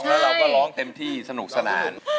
แล้วเราก็ร้องเต็มที่สนุกสนาน